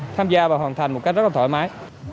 tham gia và hoàn thành một cách rất là thoải mái